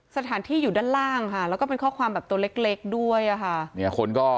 สถานที่อยู่ด้านล่างแล้วก็เป็นข้อความตัวเล็กด้วย